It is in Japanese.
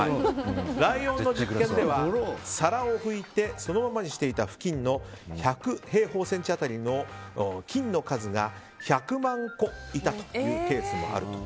ライオンの実験では皿を拭いてそのままにしていたふきんの１００平方センチ当たりの菌の数が、１００万個いたというケースもあると。